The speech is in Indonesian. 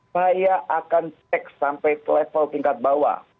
saya akan cek sampai level tingkat bawah